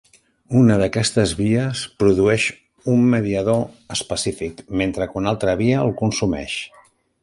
Una d'aquestes vies produeix un mediador específic, mentre que una altra via el consumeix.